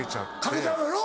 かけちゃうやろ。